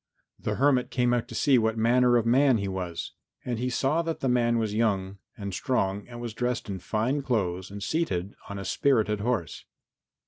The hermit came out to see what manner of man he was. And he saw that the man was young and strong and was dressed in fine clothes and seated on a spirited horse.